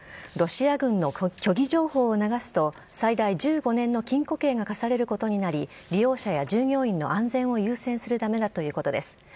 ロシア軍の虚偽情報を流すと、最大１５年の禁錮刑が科されることになり、利用者や従業員の安全を優先するためだということです。